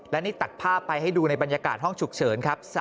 และนี่ตัดภาพไปให้ดูในบรรยากาศห้องฉุกเฉินครับ